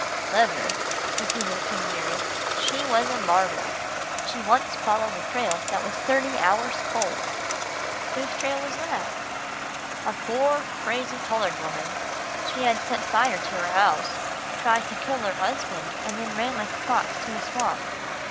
"Clever," repeated King Harry, "she was a marvel. She once followed a trail that was thirty hours cold." "Whose trail was that?" "A poor, crazy, coloured woman. She had set fire to her house, tried to kill her husband, and then ran like a fox to a swamp.